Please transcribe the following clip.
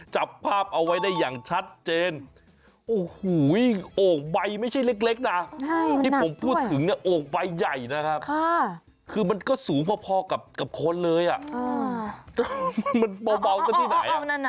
จับภาพเอาไว้ได้อย่างชัดเจนโอ้โหโอ่งใบไม่ใช่เล็กนะที่ผมพูดถึงเนี่ยโอ่งใบใหญ่นะครับคือมันก็สูงพอกับคนเลยอ่ะมันเบาซะที่ไหน